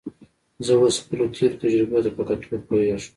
زه اوس خپلو تېرو تجربو ته په کتو پوهېږم.